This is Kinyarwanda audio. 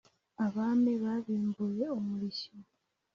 Abami babimbuye um urishyo